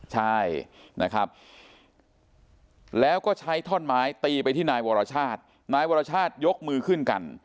ใช่นะครับแล้วก็ใช้ท่อนไม้ตีไปที่นายวรชาตินายวรชาติยกมือขึ้นกัน